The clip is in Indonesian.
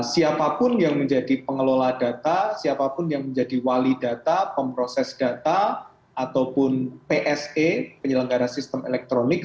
siapapun yang menjadi pengelola data siapapun yang menjadi wali data pemproses data ataupun pse penyelenggara sistem elektronik